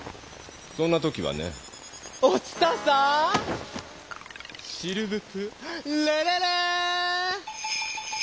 そんな時はねお伝さんシルヴプレレレ！